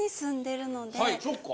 そっか。